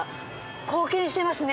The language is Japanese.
貢献してますね。